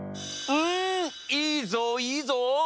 うんいいぞいいぞ！